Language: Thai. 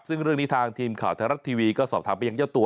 ซึ่งเรื่องนี้ทางทีมข่าวไทยรัฐทีวีก็สอบถามไปยังเจ้าตัว